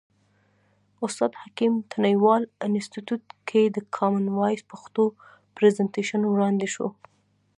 استاد حکیم تڼیوال انستیتیوت کې د کامن وایس پښتو پرزنټیشن وړاندې شو.